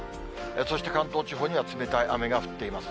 そして関東地方には冷たい雨が降っています。